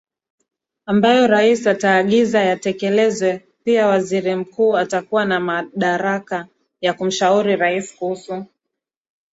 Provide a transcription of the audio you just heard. ambayo rais ataagiza yatekelezwePia Waziri Mkuu atakuwa na madaraka ya kumshauri rais kuhusu